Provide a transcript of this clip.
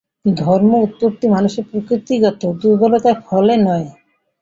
ধর্মের উৎপত্তি মানুষের প্রকৃতিগত দুর্বলতার ফলে নয়।